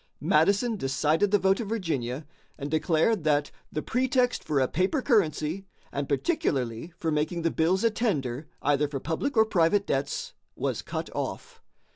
Madison decided the vote of Virginia, and declared that "the pretext for a paper currency, and particularly for making the bills a tender, either for public or private debts, was cut off."